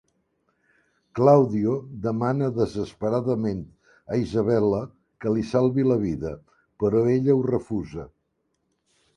Claudio demana desesperadament a Isabella que li salvi la vida, però ella ho refusa.